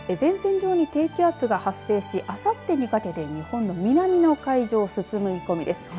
前線上に低気圧が発生しあさってにかけて日本南の海上を進む見込みです。